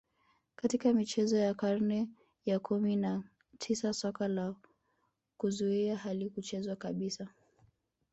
Katika michezo ya karne ya kumi na tisa soka la kuzuia halikuchezwa kabisa